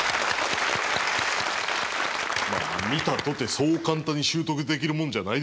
見たとてそう簡単に習得できるもんじゃないでしょ